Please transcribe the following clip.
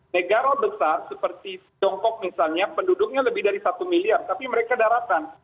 negara besar seperti tiongkok misalnya penduduknya lebih dari satu miliar tapi mereka daratan